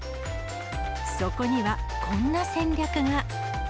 そこにはこんな戦略が。